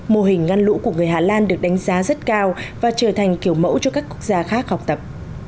mô hình ngăn lũ của người hà lan được đánh giá rất cao và trở thành kiểu mẫu cho các quốc gia khác học tập